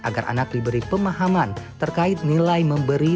agar anak diberi pemahaman terkait nilai memberi